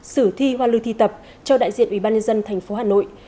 sử thi hoa lưu thi tập cho đại diện ubnd tp hà nội